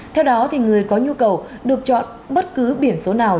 theo đó người có nhu cầu được chọn bất cứ biển số nào